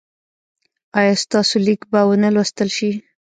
ایا ستاسو لیک به و نه لوستل شي؟